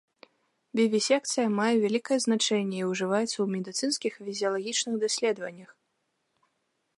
Вівісекцыя мае вялікае значэнне і ўжываецца ў медыцынскіх і фізіялагічных даследаваннях.